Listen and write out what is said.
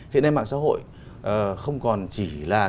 hiện nay mạng xã hội không còn chỉ là